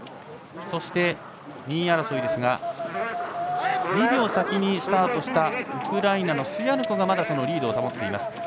そして、２位争いですが２秒先にスタートしたウクライナのスヤルコがまだリードを保っています。